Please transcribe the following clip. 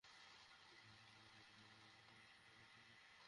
তাঁবুর অদূরে একটি ঘোড়ার বাচ্চা বাধা।